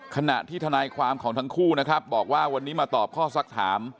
ขณะที่ทนายความของทั้งคู่นะครับบอกว่าวันนี้มาตอบข้อสักถาม